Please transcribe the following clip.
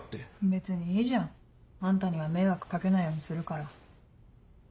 別にいいじゃんあんたには迷惑掛けないようにするから。